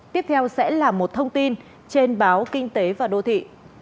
tiếp theo sẽ là một thông tin trên báo kinh tế và đô thị